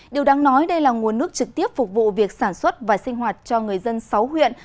điều đáng nói đây là nguồn nước trực tiếp phục vụ việc sản xuất và sinh hoạt cho người dân sáu huyện